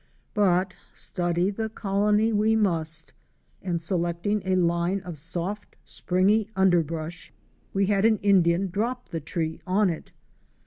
But study the colony we must, and selecting a line of soft, springy underbrush, we had an Indian drop the tree on it.